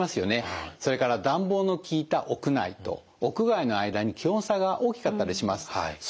それから暖房の効いた屋内と屋外の間に気温差が大きかったりします。